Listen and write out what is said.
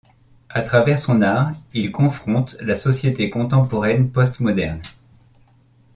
À travers son art, il confronte la société contemporaine post-moderne.